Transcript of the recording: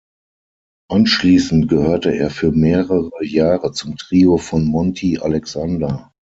Anschließend gehörte er für mehrere Jahre zum Trio von Monty Alexander.